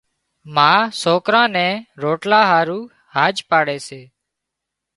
ما سوڪران نين روٽلا هارُو هاڄ پاڙي سي۔